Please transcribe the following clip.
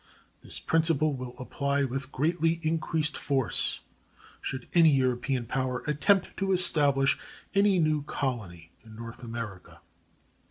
This principle will apply with greatly increased force should any European power attempt to establish any new colony in North America.